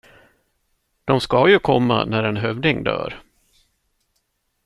De ska ju komma när en hövding dör.